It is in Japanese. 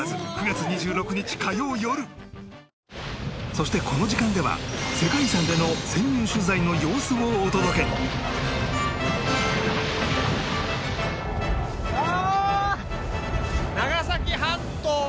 そしてこの時間では世界遺産での潜入取材の様子をお届けうわ！